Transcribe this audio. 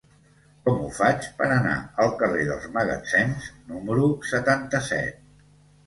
Com ho faig per anar al carrer dels Magatzems número setanta-set?